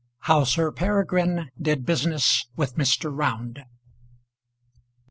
HOW SIR PEREGRINE DID BUSINESS WITH MR. ROUND.